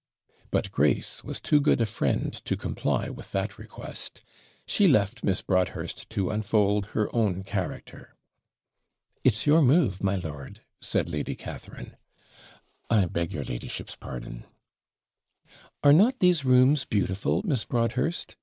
But Grace was too good a friend to comply with that request; she left Miss Broadhurst to unfold her own character. 'It is your move, my lord,' said Lady Catharine. 'I beg your ladyship's pardon ' 'Are not these rooms beautiful, Miss Broadhurst?'